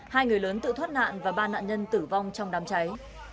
hai người lớn tự thoát nạn và ba nạn nhân tử vong trong đám cháy